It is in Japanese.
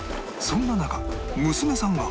そんな中娘さんが